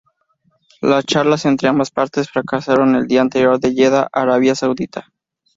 Las charlas entre ambas partes fracasaron el día anterior en Yeda, Arabia Saudita.